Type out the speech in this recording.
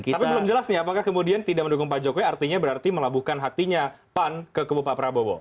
tapi belum jelas nih apakah kemudian tidak mendukung pak jokowi artinya berarti melabuhkan hatinya pan ke kebupa prabowo